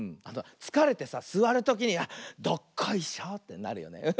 つかれてさすわるときにどっこいしょってなるよね。